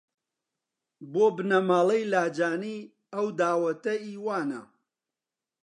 بۆ بنەماڵەی لاجانی ئەو داوەتە ئی وانە